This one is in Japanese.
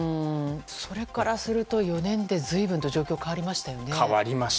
それからすると４年で随分と状況が変わりましたね。